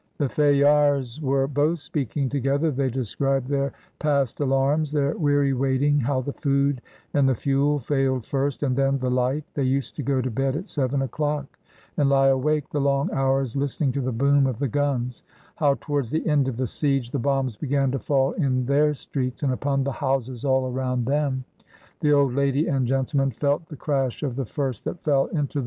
The Fayards were both speaking together; they described their past alarms, their weary waiting, how the food and the fuel failed first, and then the light; they used to go to bed at seven o'clock, and lie awake the long hours listening to the boom of the guns; how towards the end of the siege the bombs began to fall in their streets and upon the houses all around them; the old lady and gentle man felt the crash of the first that fell into the igO MRS.